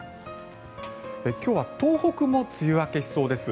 今日は東北も梅雨明けしそうです。